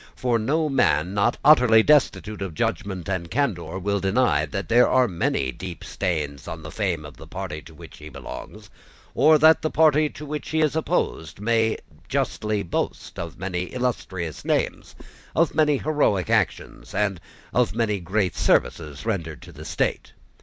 For no man not utterly destitute of judgment and candor will deny that there are many deep stains on the fame of the party to which he belongs, or that the party to which he is opposed may justly boast of many illustrious names, of many heroic actions, and of many great services rendered to the state.